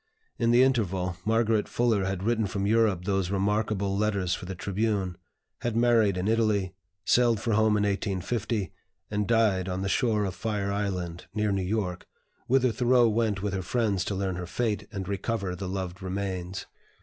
In the interval, Margaret Fuller had written from Europe those remarkable letters for the "Tribune," had married in Italy, sailed for home in 1850, and died on the shore of Fire Island, near New York, whither Thoreau went with her friends to learn her fate, and recover the loved remains.